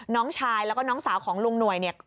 น้องชายแล้วก็น้องสาวของลุงหน่วยเนี่ย